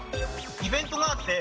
イベントがあって。